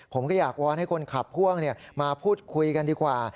ผมก็อยากวอนให้คนขับพ่วงมาพูดคุยกันดีกว่า